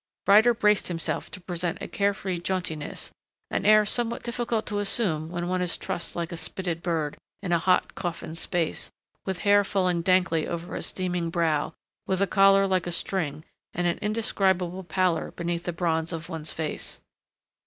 Ryder braced himself to present a carefree jauntiness an air somewhat difficult to assume when one is trussed like a spitted bird, in a hot coffin space, with hair falling dankly over a steaming brow, with a collar like a string, and an indescribable pallor beneath the bronze of one's face.